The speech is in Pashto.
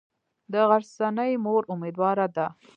د غرڅنۍ مور امیدواره ده.